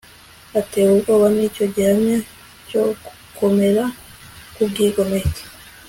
atewe ubwoba n'icyo gihamya cyo gukmera k'ubwigomeke